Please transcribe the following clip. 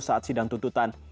saat sidang tuntutan